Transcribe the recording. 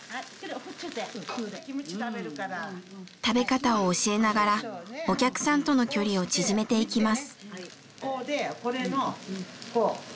食べ方を教えながらお客さんとの距離を縮めていきます。